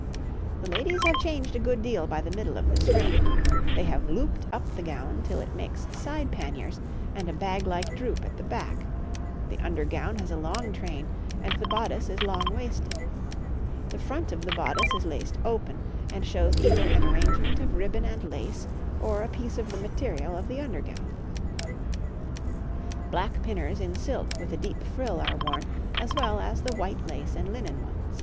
The ladies have changed a good deal by the middle of this reign: they have looped up the gown till it makes side panniers and a bag like droop at the back; the under gown has a long train, and the bodice is long waisted. The front of the bodice is laced open, and shows either an arrangement of ribbon and lace or a piece of the material of the under gown. [Illustration: {Two hair arrangements and necklines for women}] Black pinners in silk with a deep frill are worn as well as the white lace and linen ones.